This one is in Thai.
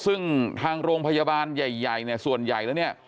ซึ่งทางโรงพยาบาลใหญ่เนี่ยส่วนใหญ่แล้วเนี่ย